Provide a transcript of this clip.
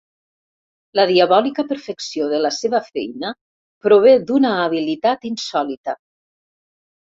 La diabòlica perfecció de la seva feina prové d'una habilitat insòlita.